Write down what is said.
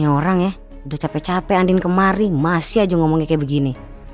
udah capek capek andi ini kemarin masih aja ngomongnya kayak begini